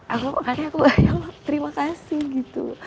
aku makanya aku bayang terima kasih gitu